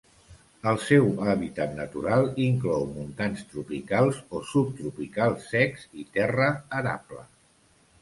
El seu hàbitat natural inclou montans tropicals o subtropicals secs i terra arable.